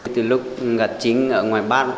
từ lúc gặp chính ở ngoài bán